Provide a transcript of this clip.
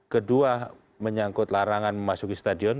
kedua menyangkut larangan memasuki stadion